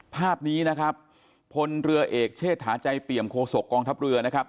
ภาพนี้นะครับพลเรือเอกเชษฐาใจเปี่ยมโคศกกองทัพเรือนะครับ